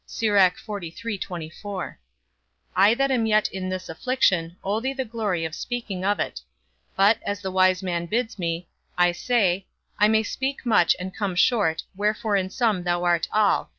I that am yet in this affliction, owe thee the glory of speaking of it; but, as the wise man bids me, I say, I may speak much and come short, wherefore in sum thou art all.